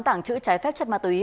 tàng trữ trái phép chất ma túy